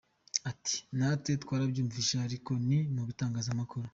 Ati: ”Natwe twarabyumvise ariko ni mu bitangazamakuru.